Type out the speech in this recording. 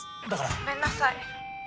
ごめんなさい。